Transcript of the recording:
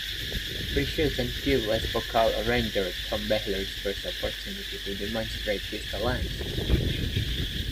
"Precious and Few" was vocal arranger Tom Bahler's first opportunity to demonstrate his talents.